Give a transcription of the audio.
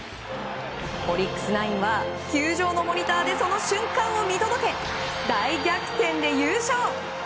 オリックスナインは球場のモニターでその瞬間を見届け大逆転で優勝。